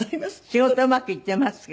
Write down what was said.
仕事うまくいっていますか？